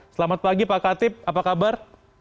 selamat pagi pak katib apa kabar